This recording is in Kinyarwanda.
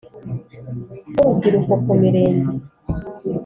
Rw urubyiruko ku mirenge